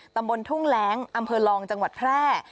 ตำบลทุ่งแร้งอำเภอลองจังหวัดแพร่